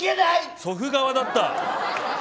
祖父側だった。